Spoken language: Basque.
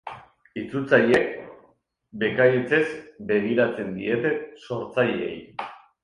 Itzultzaileek bekaitzez begiratzen diete sortzaileei.